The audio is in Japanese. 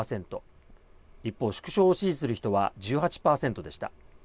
一方、縮小を支持する人は１８％でした。